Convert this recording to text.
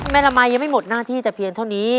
ละมัยยังไม่หมดหน้าที่แต่เพียงเท่านี้